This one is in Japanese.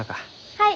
はい！